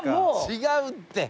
「違うって！